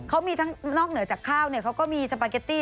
เขามีทั้งนอกเหนือจากข้าวเนี่ยเขาก็มีสปาเกตตี้